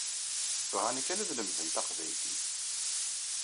Bɣan kan ad lemden taqbaylit.